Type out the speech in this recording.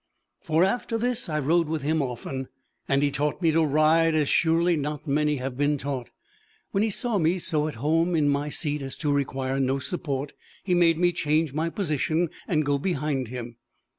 For, after this, I rode with him often, and he taught me to ride as surely not many have been taught. When he saw me so at home in my seat as to require no support, he made me change my position, and go behind him.